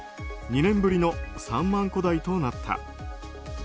２年ぶりの３万戸台となった。